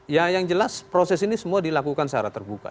ya yang jelas proses ini semua dilakukan secara terbuka